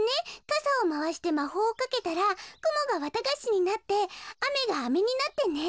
かさをまわしてまほうをかけたらくもがわたがしになって雨が飴になってね。